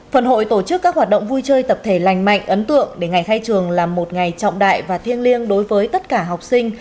phần hội tổ chức các hoạt động vui chơi tập thể lành mạnh ấn tượng để ngày khai trường là một ngày trọng đại và thiêng liêng đối với tất cả học sinh